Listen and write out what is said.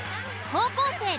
高校生で。